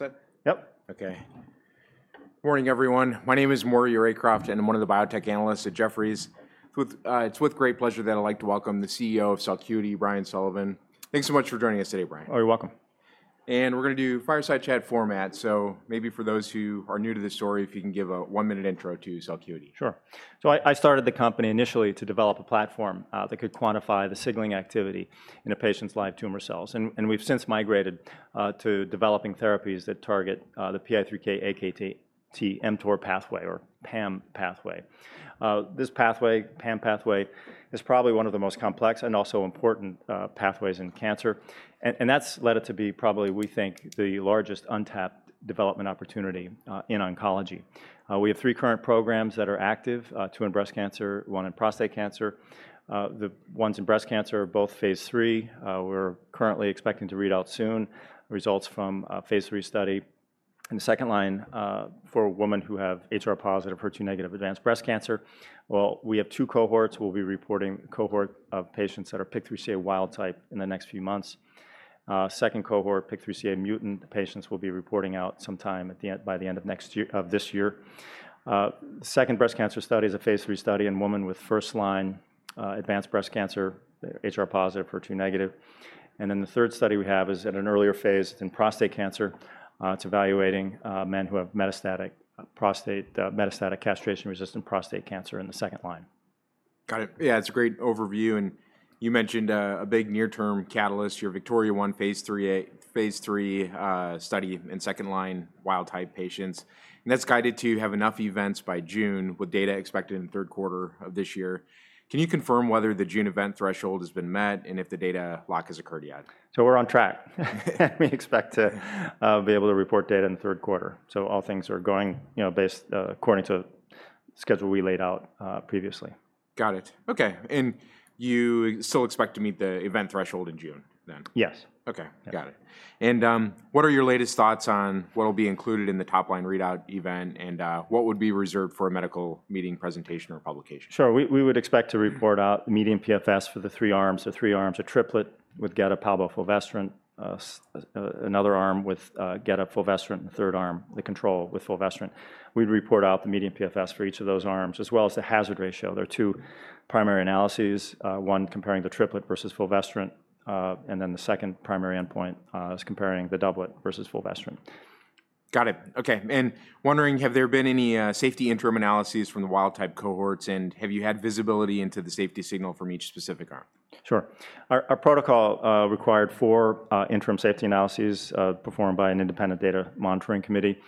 Yep. Okay. Morning, everyone. My name is Maury Raycroft, and I'm one of the biotech analysts at Jefferies. It's with great pleasure that I'd like to welcome the CEO of Celcuity, Brian Sullivan. Thanks so much for joining us today, Brian. Oh, you're welcome. We're going to do fireside chat format. Maybe for those who are new to this story, if you can give a one-minute intro to Celcuity. Sure. I started the company initially to develop a platform that could quantify the signaling activity in a patient's live tumor cells. We have since migrated to developing therapies that target the PI3K/AKT/mTOR pathway, or PAM pathway. This pathway, PAM pathway, is probably one of the most complex and also important pathways in cancer. That has led it to be probably, we think, the largest untapped development opportunity in oncology. We have three current programs that are active: two in breast cancer, one in prostate cancer. The ones in breast cancer are both phase III. we are currently expecting to read out soon results from a phase III study. In the second line for women who have HR positive, HER2-negative advanced breast cancer, we have two cohorts. We will be reporting a cohort of patients that are PIK3CA, wild-type in the next few months. Second cohort, PIK3CA-mutant patients, we'll be reporting out sometime by the end of this year. The second breast cancer study is a phase III study in women with first-line advanced breast cancer, HR positive, HER2 negative. The third study we have is at an earlier phase in prostate cancer. It's evaluating men who have metastatic castration-resistant prostate cancer in the second line. Got it. Yeah, it's a great overview. You mentioned a big near-term catalyst. Your VIKTORIA-1 phase III study in second-line wild-type patients. That's guided to have enough events by June, with data expected in the third quarter of this year. Can you confirm whether the June event threshold has been met and if the data lock has occurred yet? We're on track. We expect to be able to report data in the third quarter. All things are going according to the schedule we laid out previously. Got it. Okay. You still expect to meet the event threshold in June, then? Yes. Okay. Got it. What are your latest thoughts on what will be included in the top-line readout event, and what would be reserved for a medical meeting presentation or publication? Sure. We would expect to report out the median PFS for the three-arms, the three-arms, a triplet with gedatolisib, palbociclib, and fulvestrant; another arm with gedatolisib, fulvestrant; and the third arm, the control with fulvestrant. We'd report out the median PFS for each of those arms, as well as the hazard ratio. There are two primary analyses: one comparing the triplet versus fulvestrant, and then the second primary endpoint is comparing the doublet versus fulvestrant. Got it. Okay. Wondering, have there been any safety interim analyses from the wild-type cohorts, and have you had visibility into the safety signal from each specific arm? Sure. Our protocol required four interim safety analyses performed by an independent data monitoring committee.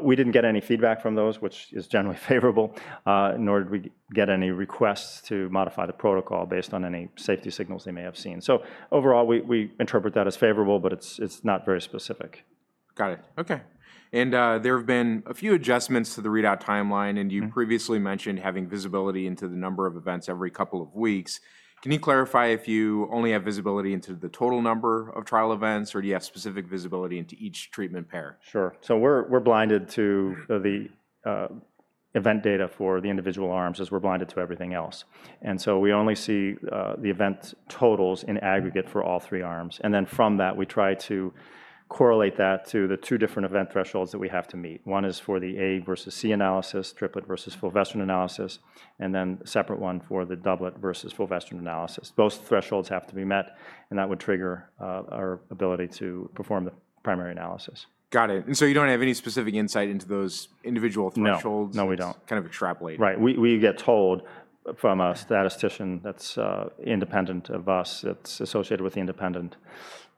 We did not get any feedback from those, which is generally favorable, nor did we get any requests to modify the protocol based on any safety signals they may have seen. Overall, we interpret that as favorable, but it is not very specific. Got it. Okay. There have been a few adjustments to the readout timeline, and you previously mentioned having visibility into the number of events every couple of weeks. Can you clarify if you only have visibility into the total number of trial events, or do you have specific visibility into each treatment pair? Sure. We're blinded to the event data for the individual arms, as we're blinded to everything else. We only see the event totals in aggregate for all three-arms. From that, we try to correlate that to the two different event thresholds that we have to meet. One is for the A versus C analysis, triplet versus fulvestrant analysis, and then a separate one for the doublet versus fulvestrant analysis. Both thresholds have to be met, and that would trigger our ability to perform the primary analysis. Got it. You do not have any specific insight into those individual thresholds? No, no, we don't. It's kind of extrapolated. Right. We get told from a statistician that's independent of us, that's associated with the independent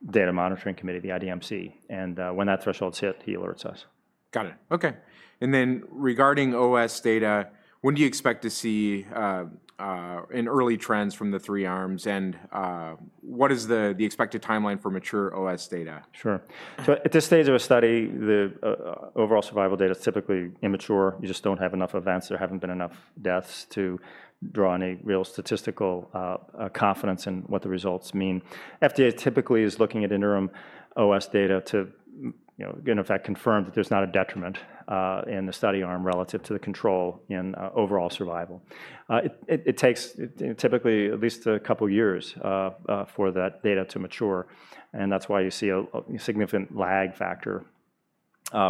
data monitoring committee, the IDMC. When that threshold's hit, he alerts us. Got it. Okay. And then regarding OS data, when do you expect to see, in early trends from the three-arms, and what is the expected timeline for mature OS data? Sure. At this stage of a study, the overall survival data is typically immature. You just do not have enough events. There have not been enough deaths to draw any real statistical confidence in what the results mean. FDA typically is looking at interim OS data to, in effect, confirm that there is not a detriment in the study arm relative to the control in overall survival. It takes typically at least a couple of years for that data to mature. That is why you see a significant lag factor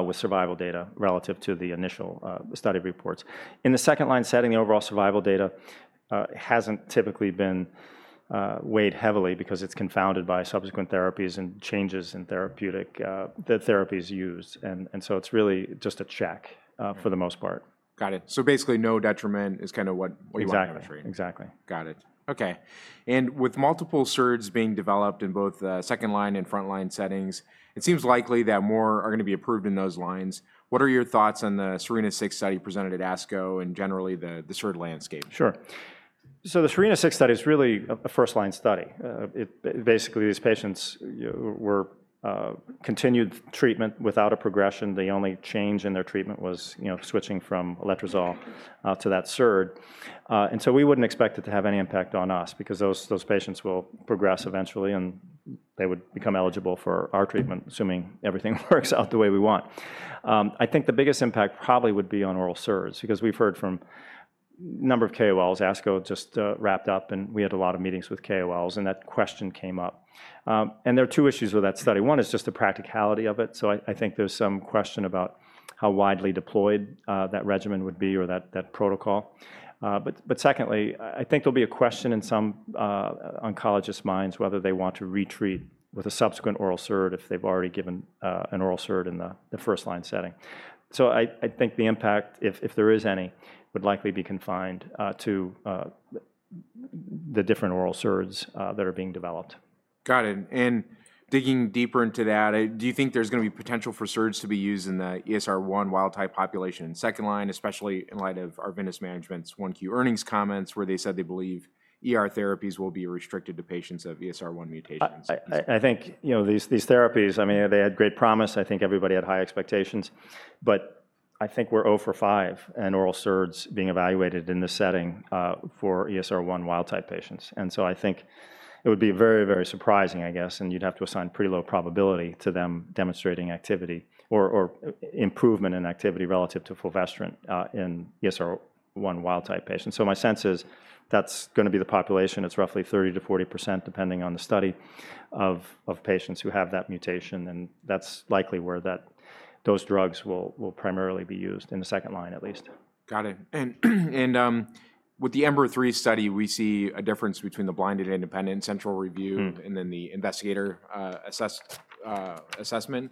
with survival data relative to the initial study reports. In the second-line setting, the overall survival data has not typically been weighed heavily because it is confounded by subsequent therapies and changes in therapies used. It is really just a check for the most part. Got it. So basically, no detriment is kind of what you want to demonstrate? Exactly. Exactly. Got it. Okay. With multiple SRDs being developed in both the second-line and front-line settings, it seems likely that more are going to be approved in those lines. What are your thoughts on the SERENA-6 study presented at ASCO and generally the SRD landscape? Sure. The SERENA-6 study is really a first-line study. Basically, these patients were continued treatment without a progression. The only change in their treatment was switching from letrozole to that SRD. We would not expect it to have any impact on us because those patients will progress eventually, and they would become eligible for our treatment, assuming everything works out the way we want. I think the biggest impact probably would be on oral SRDs because we have heard from a number of KOLs, ASCO just wrapped up, and we had a lot of meetings with KOLs, and that question came up. There are two issues with that study. One is just the practicality of it. I think there is some question about how widely deployed that regimen would be or that protocol. Secondly, I think there'll be a question in some oncologists' minds whether they want to retreat with a subsequent oral SRD if they've already given an oral SRD in the first-line setting. I think the impact, if there is any, would likely be confined to the different oral SRDs that are being developed. Got it. Digging deeper into that, do you think there's going to be potential for SRDs to be used in the ESR1 wild-type population in the second line, especially in light of Arvinas Management's 1Q Earning' s Comments, where they said they believe ER therapies will be restricted to patients with ESR1 mutations? I think these therapies, I mean, they had great promise. I think everybody had high expectations, but I think we're 0 for 5 in oral SRDs being evaluated in this setting for ESR1 wild-type patients. I think it would be very, very surprising, I guess, and you'd have to assign pretty low probability to them demonstrating activity or improvement in activity relative to fulvestrant in ESR1 wild-type patients. My sense is that's going to be the population. It's roughly 30%-40%, depending on the study, of patients who have that mutation. That's likely where those drugs will primarily be used in the second line, at least. Got it. With the EMBER-3 study, we see a difference between the blinded independent central review and then the investigator assessment.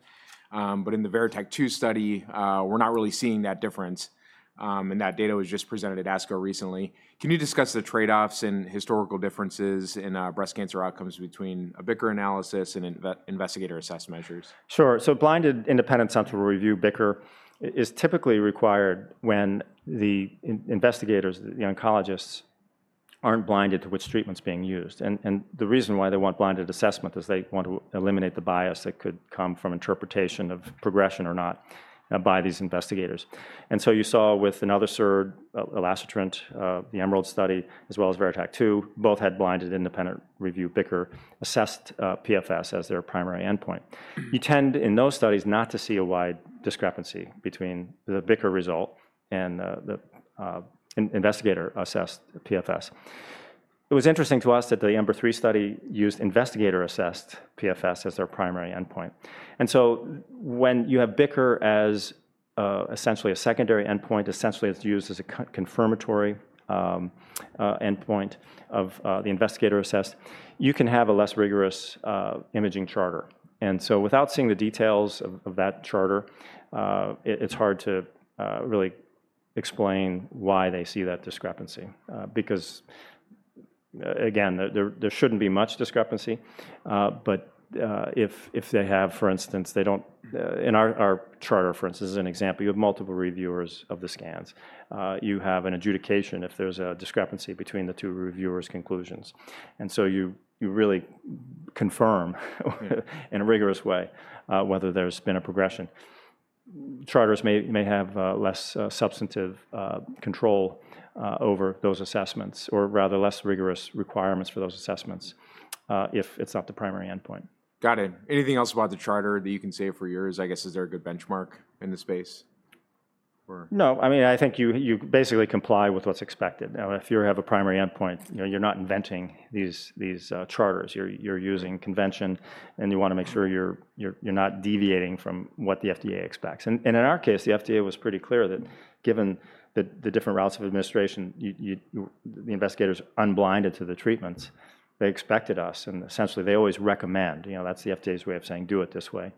In the VERITAC-2 study, we're not really seeing that difference. That data was just presented at ASCO recently. Can you discuss the trade-offs and historical differences in breast cancer outcomes between a BICR analysis and investigator assessed measures? Sure. Blinded independent central review, BICR, is typically required when the investigators, the oncologists, are not blinded to which treatment is being used. The reason why they want blinded assessment is they want to eliminate the bias that could come from interpretation of progression or not by these investigators. You saw with another SRD, elacestrant, the EMERALD study, as well as VERITAC-2, both had blinded independent review, BICR-assessed PFS as their primary endpoint. You tend in those studies not to see a wide discrepancy between the BICR result and the investigator-assessed PFS. It was interesting to us that the EMBER-3 study used investigator-assessed PFS as their primary endpoint. When you have BICR as essentially a secondary endpoint, essentially it is used as a confirmatory endpoint of the investigator-assessed, you can have a less rigorous imaging charter. Without seeing the details of that charter, it's hard to really explain why they see that discrepancy. Because, again, there shouldn't be much discrepancy. If they have, for instance, they don't in our charter, for instance, as an example, you have multiple reviewers of the scans. You have an adjudication if there's a discrepancy between the two reviewers' conclusions. You really confirm in a rigorous way whether there's been a progression. Charters may have less substantive control over those assessments, or rather less rigorous requirements for those assessments if it's not the primary endpoint. Got it. Anything else about the charter that you can say for yours? I guess, is there a good benchmark in this space? No. I mean, I think you basically comply with what's expected. Now, if you have a primary endpoint, you're not inventing these charters. You're using convention, and you want to make sure you're not deviating from what the FDA expects. In our case, the FDA was pretty clear that given the different routes of administration, the investigators unblinded to the treatments, they expected us. Essentially, they always recommend, that's the FDA's way of saying, "Do it this way,"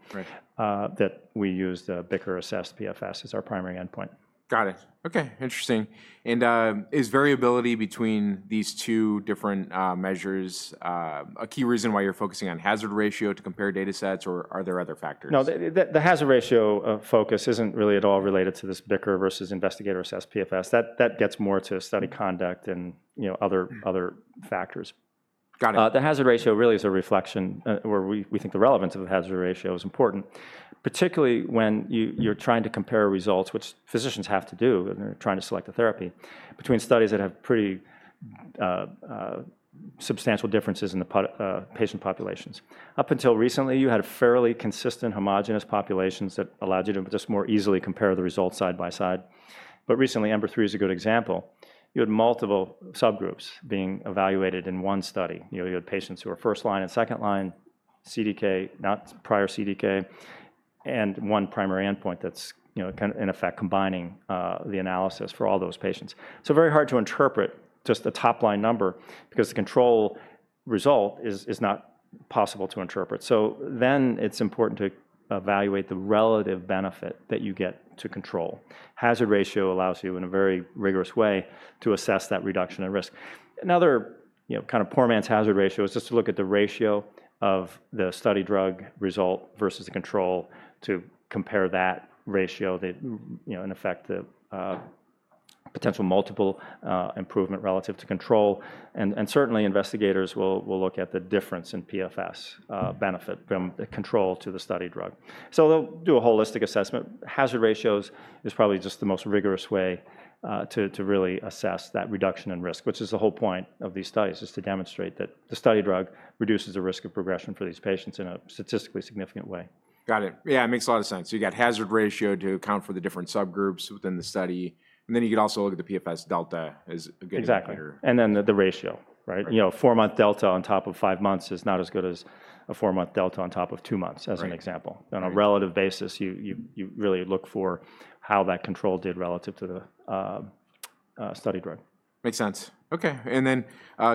that we use the BICR assessed PFS as our primary endpoint. Got it. Okay. Interesting. Is variability between these two different measures a key reason why you're focusing on hazard ratio to compare data sets, or are there other factors? No. The hazard ratio focus isn't really at all related to this BICR versus investigator-assessed PFS. That gets more to study conduct and other factors. Got it. The hazard ratio really is a reflection where we think the relevance of the hazard ratio is important, particularly when you're trying to compare results, which physicians have to do when they're trying to select a therapy, between studies that have pretty substantial differences in the patient populations. Up until recently, you had fairly consistent homogenous populations that allowed you to just more easily compare the results side by side. Recently, EMBER-3 is a good example. You had multiple subgroups being evaluated in one study. You had patients who were first line and second line, CDK, not prior CDK, and one primary endpoint that's kind of, in effect, combining the analysis for all those patients. Very hard to interpret just the top-line number because the control result is not possible to interpret. It is important to evaluate the relative benefit that you get to control. Hazard ratio allows you, in a very rigorous way, to assess that reduction in risk. Another kind of poor man's hazard ratio is just to look at the ratio of the study drug result versus the control to compare that ratio, in effect, the potential multiple improvement relative to control. Certainly, investigators will look at the difference in PFS benefit from the control to the study drug. They will do a holistic assessment. Hazard ratio is probably just the most rigorous way to really assess that reduction in risk, which is the whole point of these studies, is to demonstrate that the study drug reduces the risk of progression for these patients in a statistically significant way. Got it. Yeah. It makes a lot of sense. You got hazard ratio to account for the different subgroups within the study. You could also look at the PFS delta as a good indicator. Exactly. The ratio, right? Four-month delta on top of five months is not as good as a four-month delta on top of two months, as an example. On a relative basis, you really look for how that control did relative to the study drug. Makes sense. Okay. And then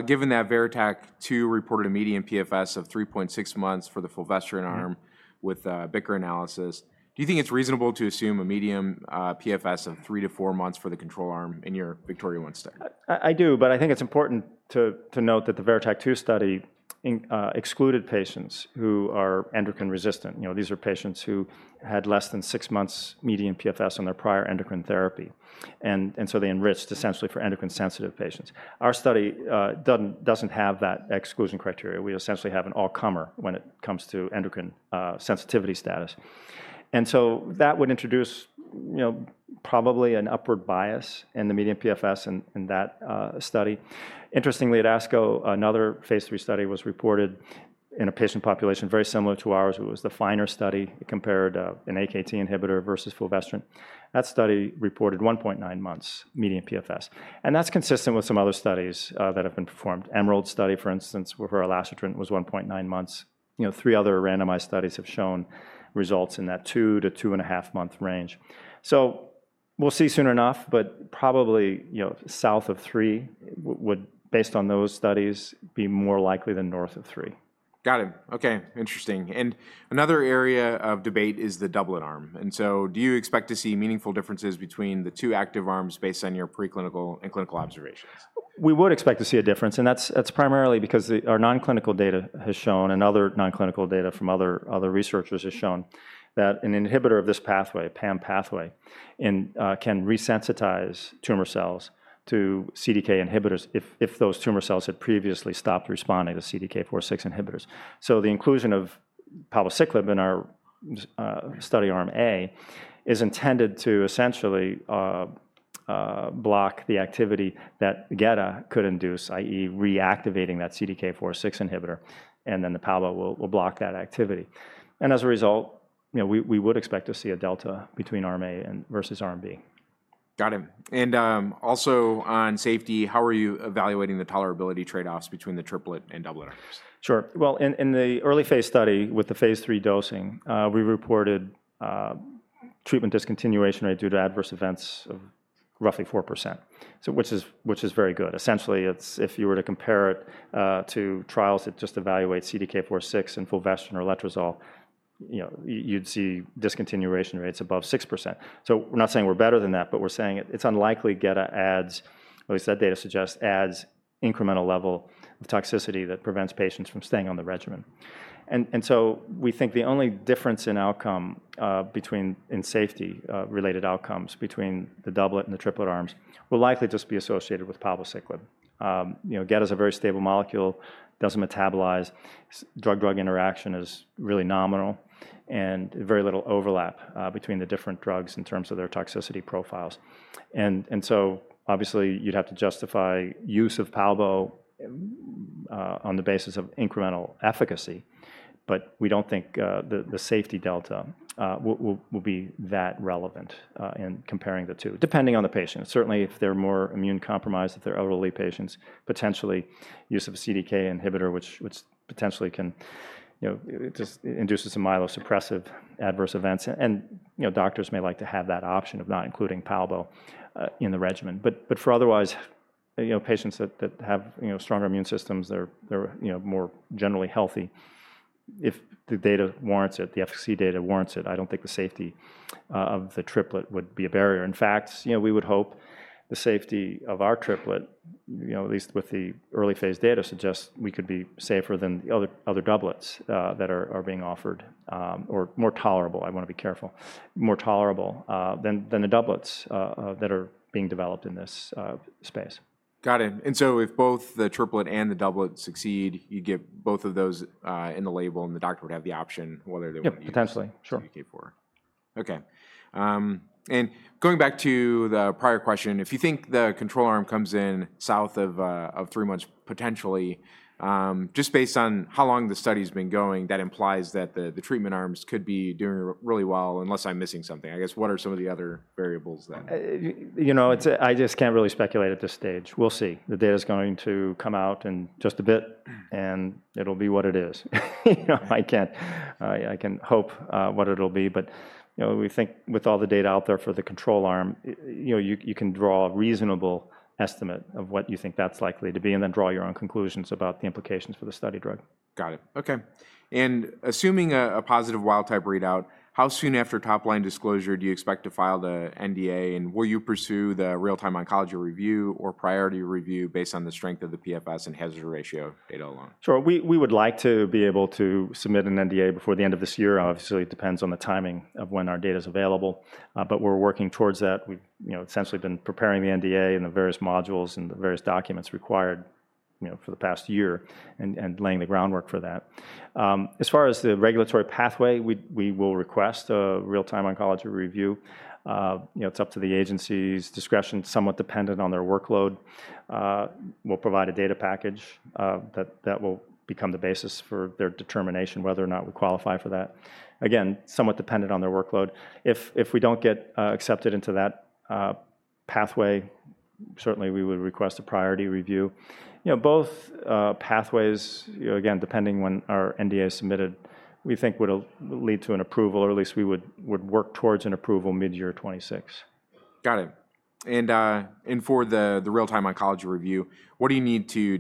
given that VERITAC-2 reported a median PFS of 3.6 months for the fulvestrant arm with BICR analysis, do you think it's reasonable to assume a median PFS of 3-4 months for the control arm in your VIKTORIA-1 study? I do. I think it's important to note that the VERITAC-2 study excluded patients who are endocrine resistant. These are patients who had less than six months median PFS on their prior endocrine therapy. They enriched essentially for endocrine-sensitive patients. Our study doesn't have that exclusion criteria. We essentially have an all-comer when it comes to endocrine sensitivity status. That would introduce probably an upward bias in the median PFS in that study. Interestingly, at ASCO, another phase III study was reported in a patient population very similar to ours. It was the FINER study. It compared an AKT inhibitor versus fulvestrant. That study reported 1.9 months median PFS. That's consistent with some other studies that have been performed. EMERALD study, for instance, for elacestrant was 1.9 months. Three other randomized studies have shown results in that 2-2.5 month range. We'll see soon enough. Probably south of 3 would, based on those studies, be more likely than north of 3. Got it. Okay. Interesting. Another area of debate is the doublet arm. Do you expect to see meaningful differences between the two active arms based on your pre-clinical and clinical observations? We would expect to see a difference. That's primarily because our non-clinical data has shown, and other non-clinical data from other researchers has shown, that an inhibitor of this pathway, PAM pathway, can resensitize tumor cells to CDK inhibitors if those tumor cells had previously stopped responding to CDK4/6 inhibitors. The inclusion of palbociclib in our study arm A is intended to essentially block the activity that gedatolisib could induce, i.e., reactivating that CDK4/6 inhibitor, and then palba will block that activity. As a result, we would expect to see a delta between arm A versus arm B. Got it. Also on safety, how are you evaluating the tolerability trade-offs between the triplet and doublet arms? Sure. In the early phase study with the phase III dosing, we reported treatment discontinuation rate due to adverse events of roughly 4%, which is very good. Essentially, if you were to compare it to trials that just evaluate CDK4/6 and fulvestrant or letrozole, you'd see discontinuation rates above 6%. We're not saying we're better than that, but we're saying it's unlikely gedatolisib adds, or at least that data suggests, adds incremental level of toxicity that prevents patients from staying on the regimen. We think the only difference in outcome in safety-related outcomes between the doublet and the triplet arms will likely just be associated with palbociclib. gedatolisib is a very stable molecule, doesn't metabolize. Drug-drug interaction is really nominal, and very little overlap between the different drugs in terms of their toxicity profiles. You'd have to justify use of palbociclib on the basis of incremental efficacy. We don't think the safety delta will be that relevant in comparing the two, depending on the patient. Certainly, if they're more immune compromised, if they're elderly patients, potentially use of a CDK inhibitor, which potentially can just induce some myelosuppressive adverse events. Doctors may like to have that option of not including palbociclib in the regimen. For otherwise patients that have stronger immune systems, they're more generally healthy. If the data warrants it, the efficacy data warrants it, I don't think the safety of the triplet would be a barrier. In fact, we would hope the safety of our triplet, at least with the early phase data, suggests we could be safer than the other doublets that are being offered or more tolerable, I want to be careful, more tolerable than the doublets that are being developed in this space. Got it. If both the triplet and the doublet succeed, you get both of those in the label, and the doctor would have the option whether they would be CDK4. Yeah. Potentially. Sure. Okay. Going back to the prior question, if you think the control arm comes in south of 3 months, potentially, just based on how long the study has been going, that implies that the treatment arms could be doing really well unless I'm missing something? I guess, what are some of the other variables that? I just can't really speculate at this stage. We'll see. The data is going to come out in just a bit, and it'll be what it is. I can't hope what it'll be. We think with all the data out there for the control arm, you can draw a reasonable estimate of what you think that's likely to be and then draw your own conclusions about the implications for the study drug. Got it. Okay. Assuming a positive wild-type readout, how soon after top-line disclosure do you expect to file the NDA? Will you pursue the real-time oncology review or priority review based on the strength of the PFS and hazard ratio data alone? Sure. We would like to be able to submit an NDA before the end of this year. Obviously, it depends on the timing of when our data is available. We are working towards that. We have essentially been preparing the NDA and the various modules and the various documents required for the past year and laying the groundwork for that. As far as the regulatory pathway, we will request a real-time oncology review. It is up to the agency's discretion, somewhat dependent on their workload. We will provide a data package that will become the basis for their determination whether or not we qualify for that. Again, somewhat dependent on their workload. If we do not get accepted into that pathway, certainly we would request a priority review. Both pathways, again, depending when our NDA is submitted, we think would lead to an approval, or at least we would work towards an approval mid-year 2026. Got it. For the real-time oncology review, what do you need to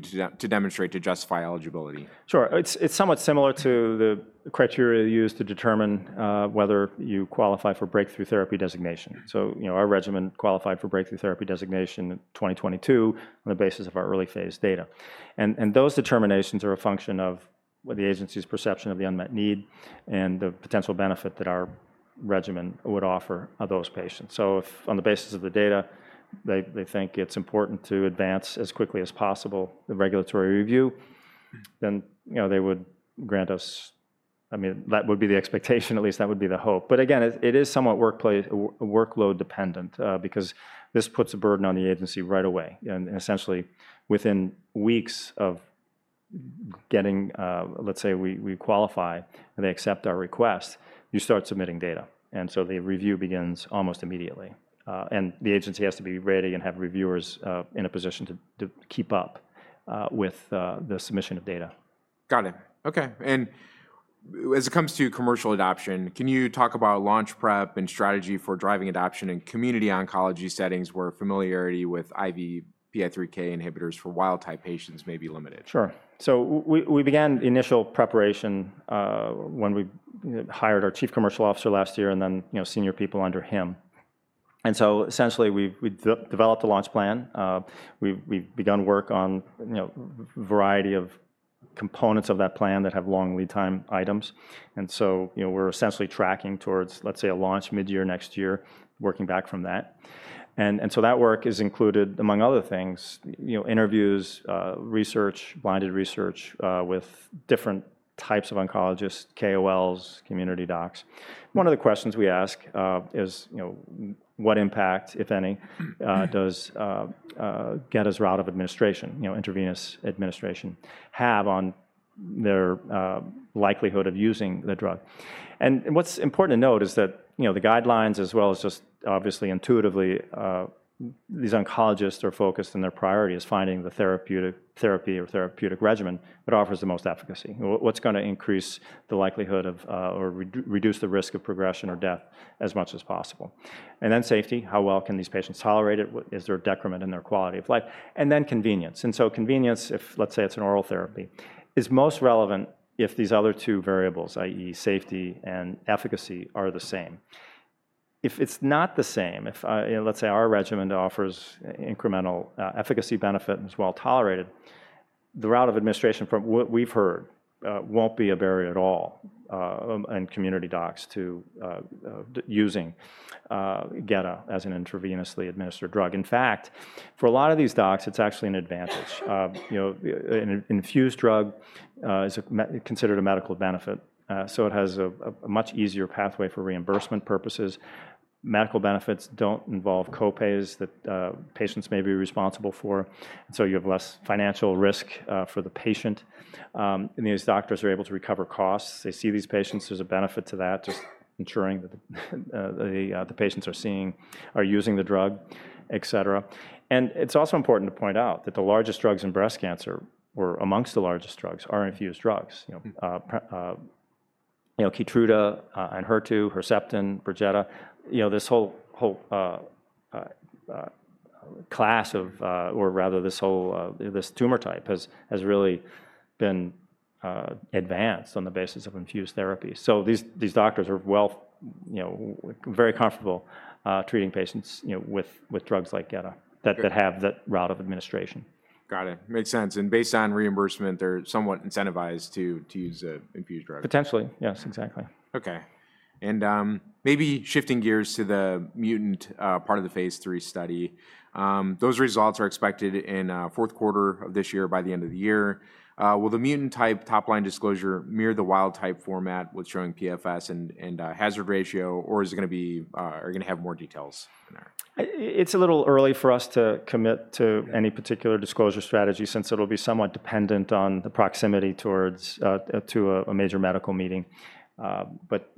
demonstrate to justify eligibility? Sure. It's somewhat similar to the criteria used to determine whether you qualify for breakthrough therapy designation. Our regimen qualified for breakthrough therapy designation in 2022 on the basis of our early phase data. Those determinations are a function of the agency's perception of the unmet need and the potential benefit that our regimen would offer those patients. If on the basis of the data, they think it's important to advance as quickly as possible the regulatory review, they would grant us, I mean, that would be the expectation. At least that would be the hope. Again, it is somewhat workload-dependent because this puts a burden on the agency right away. Essentially, within weeks of getting, let's say, we qualify and they accept our request, you start submitting data. The review begins almost immediately. The agency has to be ready and have reviewers in a position to keep up with the submission of data. Got it. Okay. As it comes to commercial adoption, can you talk about launch prep and strategy for driving adoption in community oncology settings where familiarity with IV PI3K inhibitors for wild-type patients may be limited? Sure. We began initial preparation when we hired our Chief Commercial Officer last year and then senior people under him. We developed a launch plan. We've begun work on a variety of components of that plan that have long lead time items. We're essentially tracking towards, let's say, a launch mid-year next year, working back from that. That work has included, among other things, interviews, research, blinded research with different types of oncologists, KOLs, community docs. One of the questions we ask is what impact, if any, does gedatolisib's route of administration, intravenous administration, have on their likelihood of using the drug? What's important to note is that the guidelines, as well as just obviously intuitively, these oncologists are focused on their priority as finding the therapy or therapeutic regimen that offers the most efficacy, what's going to increase the likelihood of or reduce the risk of progression or death as much as possible. Then safety, how well can these patients tolerate it? Is there a decrement in their quality of life? Then convenience. Convenience, if let's say it's an oral therapy, is most relevant if these other two variables, i.e., safety and efficacy, are the same. If it's not the same, if let's say our regimen offers incremental efficacy benefit and is well tolerated, the route of administration from what we've heard won't be a barrier at all in community docs to using gedatolisib as an intravenously administered drug. In fact, for a lot of these docs, it's actually an advantage. An infused drug is considered a medical benefit. It has a much easier pathway for reimbursement purposes. Medical benefits do not involve co-pays that patients may be responsible for. You have less financial risk for the patient. These doctors are able to recover costs. They see these patients. There is a benefit to that, just ensuring that the patients are using the drug, etc. It is also important to point out that the largest drugs in breast cancer, or amongst the largest drugs, are infused drugs. KEYTRUDA and HER2, Herceptin, PERJETA, this whole class of, or rather this tumor type, has really been advanced on the basis of infused therapy. These doctors are very comfortable treating patients with drugs like gedatolisib that have that route of administration. Got it. Makes sense. Based on reimbursement, they're somewhat incentivized to use the infused drug. Potentially. Yes, exactly. Okay. Maybe shifting gears to the mutant part of the phase III study. Those results are expected in fourth quarter of this year, by the end of the year. Will the mutant-type top-line disclosure mirror the wild-type format with showing PFS and hazard ratio, or are you going to have more details in there? It's a little early for us to commit to any particular disclosure strategy since it'll be somewhat dependent on the proximity to a major medical meeting.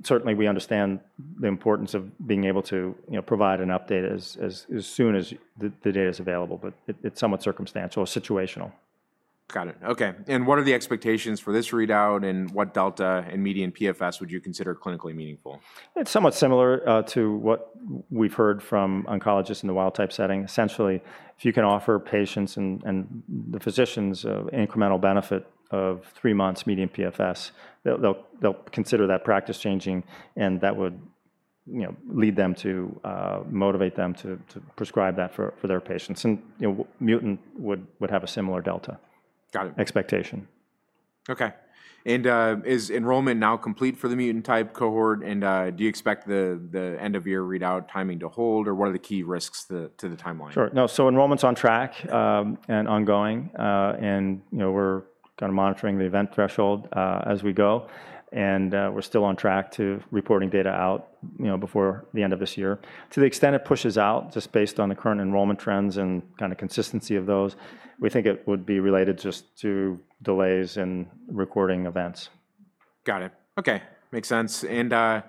Certainly, we understand the importance of being able to provide an update as soon as the data is available. It's somewhat circumstantial or situational. Got it. Okay. What are the expectations for this readout? What delta in median PFS would you consider clinically meaningful? It's somewhat similar to what we've heard from oncologists in the wild-type setting. Essentially, if you can offer patients and the physicians incremental benefit of 3 months median PFS, they'll consider that practice changing. That would lead them to motivate them to prescribe that for their patients. Mutant would have a similar delta expectation. Got it. Okay. Is enrollment now complete for the mutant-type cohort? Do you expect the end-of-year readout timing to hold, or what are the key risks to the timeline? Sure. No. Enrollment's on track and ongoing. We're kind of monitoring the event threshold as we go. We're still on track to reporting data out before the end of this year. To the extent it pushes out, just based on the current enrollment trends and kind of consistency of those, we think it would be related just to delays in recording events. Got it. Okay. Makes sense. I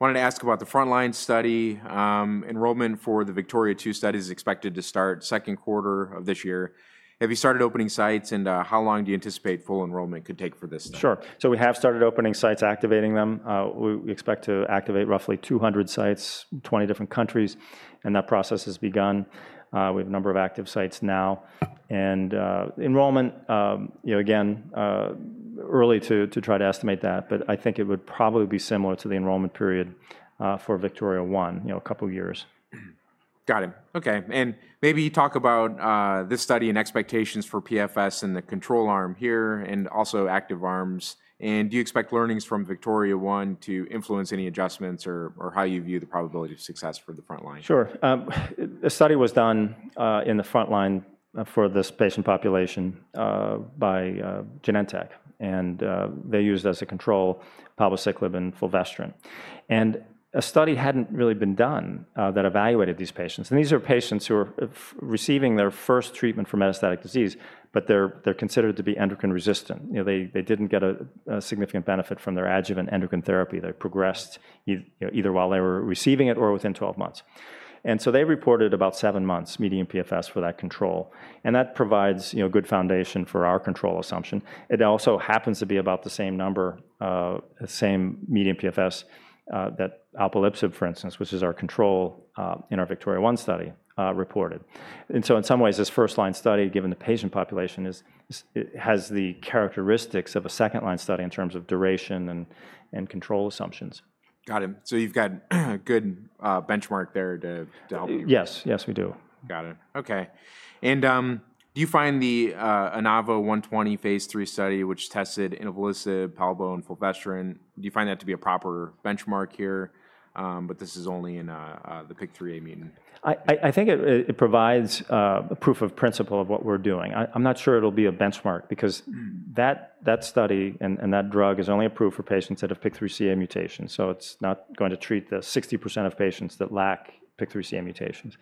wanted to ask about the front-line study. Enrollment for the VIKTORIA-2 study is expected to start second quarter of this year. Have you started opening sites, and how long do you anticipate full enrollment could take for this study? Sure. We have started opening sites, activating them. We expect to activate roughly 200 sites in 20 different countries. That process has begun. We have a number of active sites now. Enrollment, again, early to try to estimate that. I think it would probably be similar to the enrollment period for VIKTORIA-1, a couple of years. Got it. Okay. Maybe you talk about this study and expectations for PFS and the control arm here and also active arms. Do you expect learnings from VIKTORIA-1 to influence any adjustments or how you view the probability of success for the front line? Sure. A study was done in the front line for this patient population by Genentech. They used as a control, palbociclib and fulvestrant. A study had not really been done that evaluated these patients. These are patients who are receiving their first treatment for metastatic disease, but they are considered to be endocrine resistant. They did not get a significant benefit from their adjuvant endocrine therapy. They progressed either while they were receiving it or within 12 months. They reported about 7 months median PFS for that control. That provides good foundation for our control assumption. It also happens to be about the same number, same median PFS that alpelisib, for instance, which is our control in our VIKTORIA-1 study, reported. In some ways, this first-line study, given the patient population, has the characteristics of a second-line study in terms of duration and control assumptions. Got it. So you've got a good benchmark there to help you. Yes. Yes, we do. Got it. Okay. And do you find the INAVO120 phase III study, which tested inavolisib, palbociclib, and fulvestrant, do you find that to be a proper benchmark here? But this is only in the PIK3CA-mutant. I think it provides a proof of principle of what we're doing. I'm not sure it'll be a benchmark because that study and that drug is only approved for patients that have PIK3CA-mutations. It's not going to treat the 60% of patients that lack PIK3CA-mutations.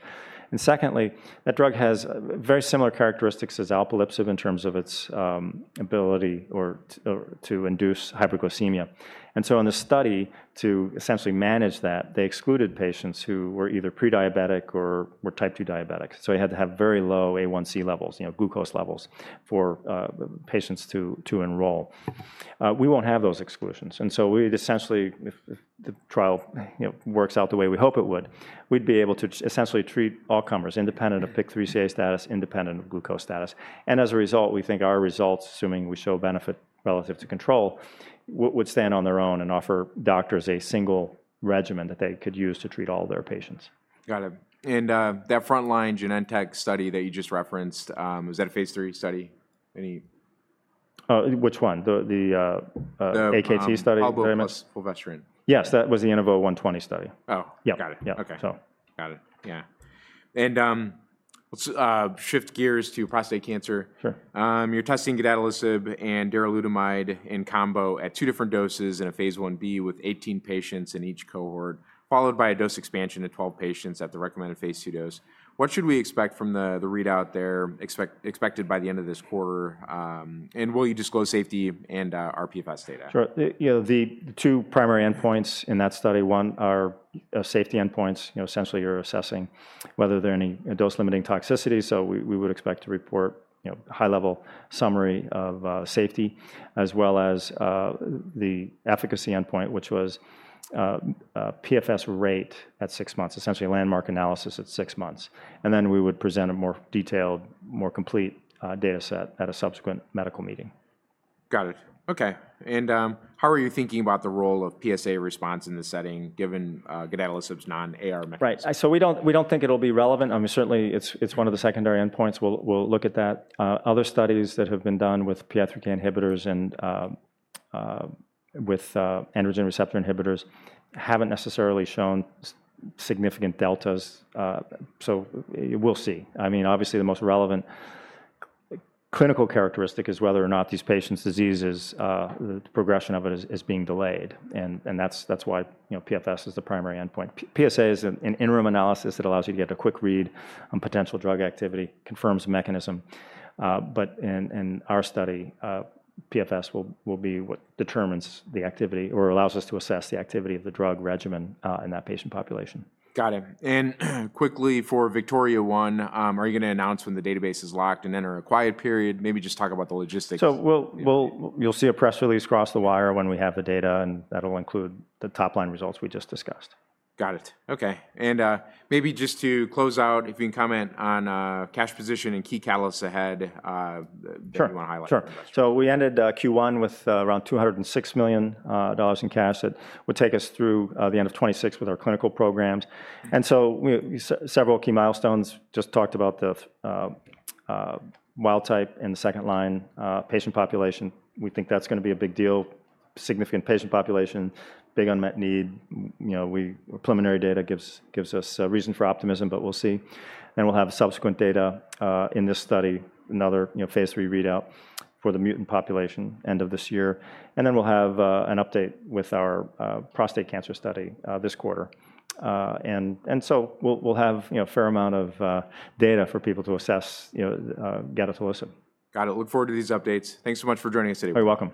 Secondly, that drug has very similar characteristics as alpelisib in terms of its ability to induce hyperglycemia. In the study to essentially manage that, they excluded patients who were either prediabetic or were type 2 diabetics. They had to have very low A1C levels, glucose levels, for patients to enroll. We won't have those exclusions. We'd essentially, if the trial works out the way we hope it would, be able to essentially treat all comers, independent of PIK3CA status, independent of glucose status. As a result, we think our results, assuming we show benefit relative to control, would stand on their own and offer doctors a single regimen that they could use to treat all their patients. Got it. That front-line Genentech study that you just referenced, was that a phase III study? Any. Which one? The AKT study? The palbociclib fulvestrant. Yes, that was the INAVO120 study. Oh, got it. Yeah. Okay. Got it. Yeah. Let's shift gears to prostate cancer. Sure. You're testing gedatolisib and darolutamide in combo at two different doses in a phase 1b with 18 patients in each cohort, followed by a dose expansion at 12 patients at the recommended phase II dose. What should we expect from the readout there expected by the end of this quarter? Will you disclose safety and our PFS data? Sure. The two primary endpoints in that study, one are safety endpoints. Essentially, you're assessing whether there are any dose-limiting toxicities. We would expect to report a high-level summary of safety, as well as the efficacy endpoint, which was PFS rate at 6 months, essentially a landmark analysis at 6 months. We would present a more detailed, more complete data set at a subsequent medical meeting. Got it. Okay. How are you thinking about the role of PSA response in this setting, given gedatolisib's non-AR mechanism? Right. We do not think it will be relevant. I mean, certainly, it is one of the secondary endpoints. We will look at that. Other studies that have been done with PI3K inhibitors and with androgen receptor inhibitors have not necessarily shown significant deltas. We will see. I mean, obviously, the most relevant clinical characteristic is whether or not these patients' diseases, the progression of it, is being delayed. That is why PFS is the primary endpoint. PSA is an interim analysis that allows you to get a quick read on potential drug activity, confirms mechanism. In our study, PFS will be what determines the activity or allows us to assess the activity of the drug regimen in that patient population. Got it. And quickly, for VIKTORIA-1, are you going to announce when the database is locked and then a quiet period? Maybe just talk about the logistics. You'll see a press release cross the wire when we have the data. That'll include the top-line results we just discussed. Got it. Okay. Maybe just to close out, if you can comment on cash position and key callouts ahead that you want to highlight. Sure. We ended Q1 with around $206 million in cash that would take us through the end of 2026 with our clinical programs. Several key milestones, just talked about the wild-type and the second-line patient population. We think that's going to be a big deal, significant patient population, big unmet need. Preliminary data gives us a reason for optimism, but we'll see. We'll have subsequent data in this study, another phase III readout for the mutant population end of this year. We'll have an update with our prostate cancer study this quarter. We'll have a fair amount of data for people to assess gedatolisib. Got it. Look forward to these updates. Thanks so much for joining us today. You're welcome.